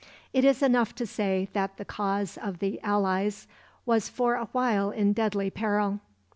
It is enough to say that the cause of the Allies was for awhile in deadly peril.